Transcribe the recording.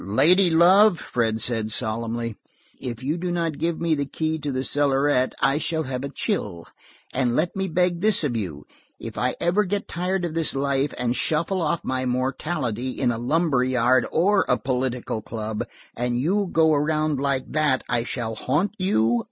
"Lady love," Fred said solemnly, "if you do not give me the key to the cellarette, I shall have a chill. And let me beg this of you: if I ever get tired of this life, and shuffle off my mortality in a lumber yard, or a political club, and you go around like that, I shall haunt you.